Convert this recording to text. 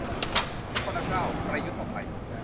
ถอยคนละก้าว ประยุทธ์ออกไป